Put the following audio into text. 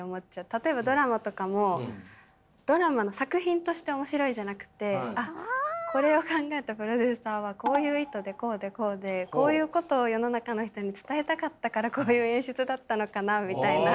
例えばドラマとかもドラマの作品として面白いじゃなくてあっこれを考えたプロデューサーはこういう意図でこうでこうでこういうことを世の中の人に伝えたかったからこういう演出だったのかなみたいな。